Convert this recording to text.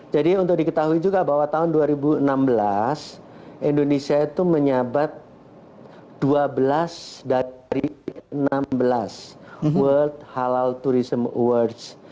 jadi untuk diketahui juga bahwa tahun dua ribu enam belas indonesia itu menyabat dua belas dari enam belas world halal tourism awards